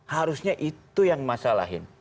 harusnya itu yang masalahin